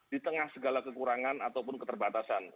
di tengah segala kekurangan ataupun keterbatasan